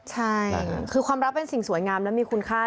ใช่คือความรักเป็นสิ่งสวยงามและมีคุณค่า